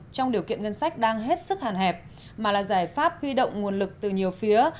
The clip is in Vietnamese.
trong điều kiện ngân sách đang hết sức hàn hẹp mà là giải pháp huy động nguồn lực từ nhiều phía